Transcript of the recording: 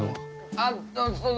あっその。